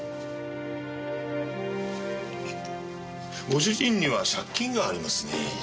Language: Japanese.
ご主人には借金がありますね。